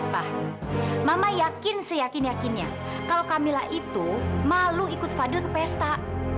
pak mama yakin seyakin yakinnya kalau kamila itu malu ikut fadil ke pesta